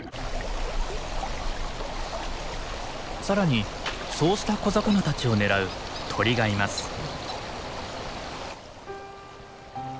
更にそうした小魚たちを狙う鳥がいます。